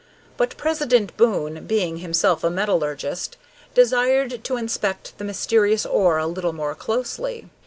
But President Boon, being himself a metallurgist, desired to inspect the mysterious ore a little more closely.